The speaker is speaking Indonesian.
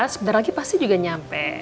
sebenernya pasti juga nyampe